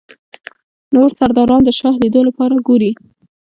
نور سرداران د شاه لیدلو لپاره ګوري.